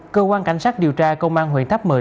cơ quan cảnh sát điều tra công an huyện tháp mười